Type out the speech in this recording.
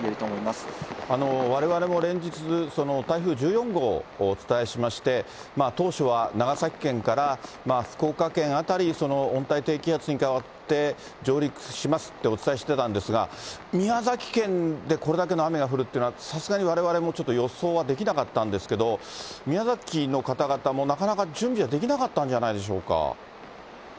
われわれも連日、台風１４号、お伝えしまして、当初は長崎県から福岡県辺り、温帯低気圧に変わって、上陸しますってお伝えしてたんですが、宮崎県でこれだけの雨が降るっていうのは、さすがにわれわれもちょっと予想はできなかったんですけど、宮崎の方々もなかなか準備はできなかったんじゃないでしょうか。